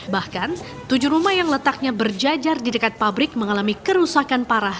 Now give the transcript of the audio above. bahkan tujuh rumah yang letaknya berjajar di dekat pabrik mengalami kerusakan parah